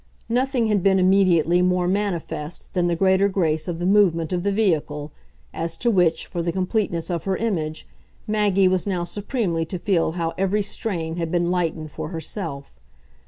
Nothing had been, immediately, more manifest than the greater grace of the movement of the vehicle as to which, for the completeness of her image, Maggie was now supremely to feel how every strain had been lightened for herself.